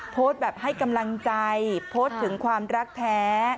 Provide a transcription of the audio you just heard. โพสต์แบบให้กำลังใจโพสต์ถึงความรักแท้